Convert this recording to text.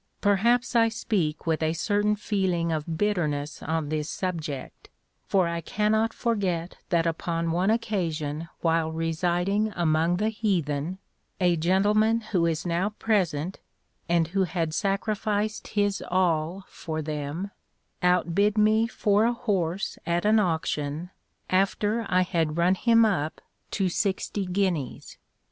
Perhaps I speak with a certain feeling of bitterness on this subject, for I cannot forget that upon one occasion while residing among the heathen, a gentleman who is now present, and who had sacrificed his all for them, outbid me for a horse at an auction after I had run him up to sixty guineas.